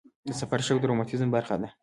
د سفر شوق د رومانتیزم برخه ده.